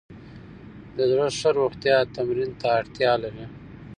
د زړه ښه روغتیا تمرین ته اړتیا لري.